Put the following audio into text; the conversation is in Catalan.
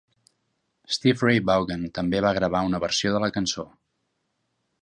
Stevie Ray Vaughan també va gravar una versió de la cançó.